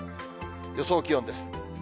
予想気温です。